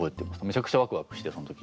めちゃくちゃワクワクしてその時。